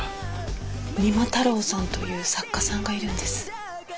三馬太郎さんという作家さんがいるんです。